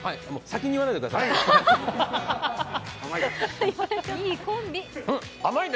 先に言わないでください！